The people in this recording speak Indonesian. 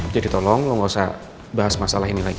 jadi tolong lo gak usah bahas masalah ini lagi